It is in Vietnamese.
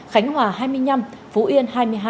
khánh hòa hai mươi năm phú yên hai mươi hai